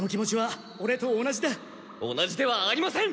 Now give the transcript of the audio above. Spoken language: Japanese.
同じではありません！